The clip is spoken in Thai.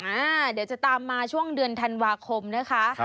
เดี๋ยวจะตามมาช่วงเดือนธันวาคมนะคะ